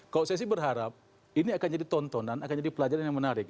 kalau saya sih berharap ini akan jadi tontonan akan jadi pelajaran yang menarik